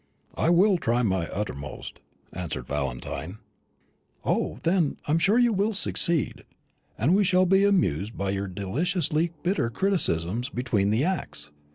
"I will try my uttermost," answered Valentine. "O, then I'm sure you will succeed. And we shall be amused by your deliciously bitter criticisms between the acts.